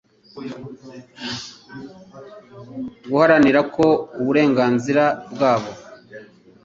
guharanira ko uburenganzira bwabo